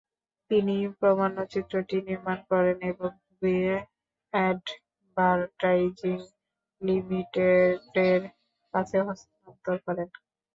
তিনিই প্রামাণ্যচিত্রটি নির্মাণ করেন এবং গ্রে অ্যাডভারটাইজিং লিমিটেডের কাছে হস্তান্তর করেন।